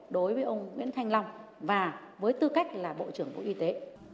đối với ông nguyễn thanh long và với tư cách là bộ trưởng bộ y tế